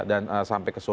dan sampai ke sore